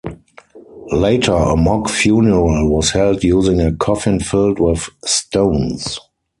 Later, a mock funeral was held using a coffin filled with stones.